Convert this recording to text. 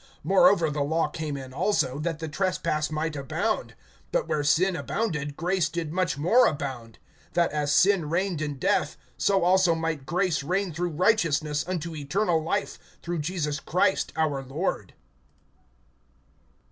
(20)Moreover the law came in also, that the trespass might abound. But where sin abounded, grace did much more abound; (21)that as sin reigned in death, so also might grace reign through righteousness unto eternal life, through Jesus Christ our Lord.